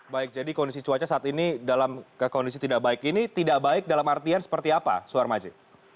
baik jadi kondisi cuaca saat ini dalam kondisi tidak baik ini tidak baik dalam artian seperti apa suhar maji